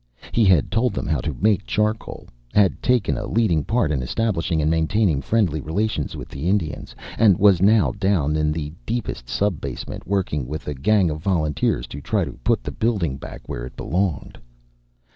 He had told them how to make charcoal, had taken a leading part in establishing and maintaining friendly relations with the Indians, and was now down in the deepest sub basement, working with a gang of volunteers to try to put the building back where it belonged.